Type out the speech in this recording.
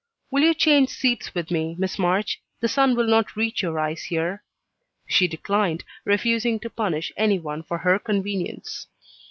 "Will you change seats with me, Miss March? The sun will not reach your eyes here." She declined, refusing to punish any one for her convenience.